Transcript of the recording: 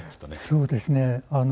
そうですね。